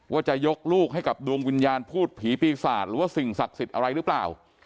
ว่าจะยกลูกให้กับดวงวิญญาณพูดผีปีศาจหรือว่าสิ่งศักดิ์สิทธิ์อะไรหรือเปล่า